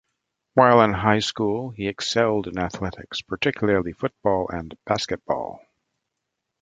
While in high school he excelled in athletics, particularly football and basketball.